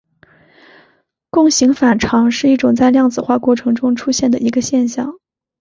共形反常是一种在量子化过程中出现的一个现象。